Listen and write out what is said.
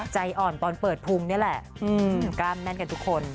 ใจอ่อนตอนเปิดพุงนี่แหละกล้ามแม่นกันทุกคน